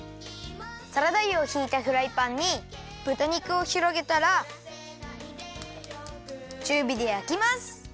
サラダ油をひいたフライパンにぶた肉をひろげたらちゅうびでやきます。